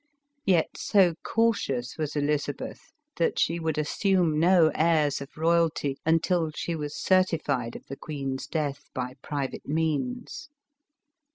Yet so cautious was Elizabeth that she would assume no airs of royalty, until she was certified of the queen's death by private means.